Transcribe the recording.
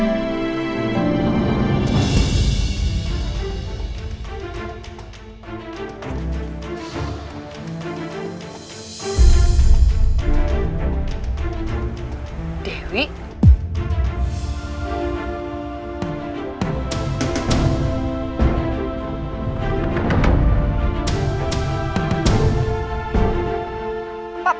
aku mau ke rumah